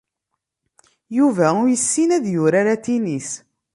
Yuba ur yessin ad yurar atennis.